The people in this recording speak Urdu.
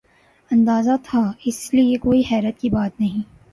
اندازہ تھا ، اس لئے کوئی حیرت کی بات نہیں ۔